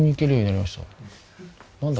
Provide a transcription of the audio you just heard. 何だ？